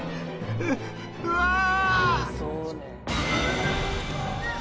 ううわあ！